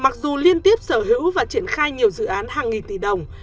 mặc dù liên tiếp sở hữu và triển khai nhiều dự án hàng nghìn tỷ đồng